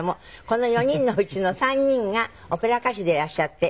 この４人のうちの３人がオペラ歌手でいらっしゃって。